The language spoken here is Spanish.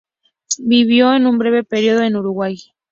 Vivió un breve período en Uruguay.